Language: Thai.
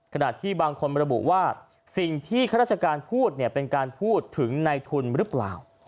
ขณะที่บางคนระบุว่าสิ่งที่ข้าราชการพูดเนี่ยเป็นการพูดถึงในทุนหรือเปล่า